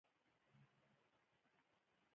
د بدن ژبه